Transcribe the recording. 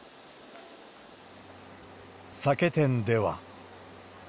酒店では。